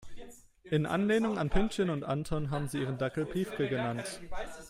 In Anlehnung an Pünktchen und Anton haben sie ihren Dackel Piefke genannt.